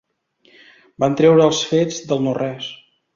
Van treure els fets del no-res.